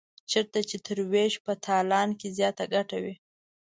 چېرته چې تر وېش په تالان کې زیاته ګټه وي.